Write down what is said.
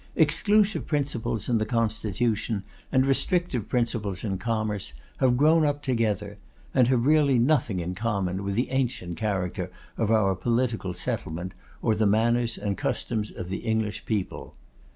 Exclusive principles in the constitution, and restrictive principles in commerce, have grown up together; and have really nothing in common with the ancient character of our political settlement, or the manners and customs of the English people.